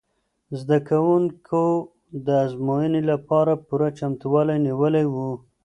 زده کوونکو د ازموینې لپاره پوره چمتووالی نیولی و.